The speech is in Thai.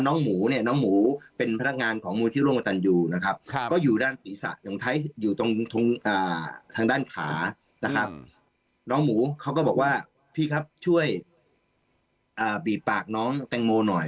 น้องหมูเขาก็บอกว่าพี่ครับช่วยบีบปากน้องแตงโมหน่อย